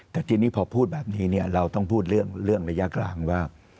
แต่ทีนี้พอพูดแบบนี้เราต้องพูดเรื่องระยะกลางว่า